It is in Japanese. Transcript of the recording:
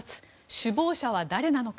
首謀者は誰なのか？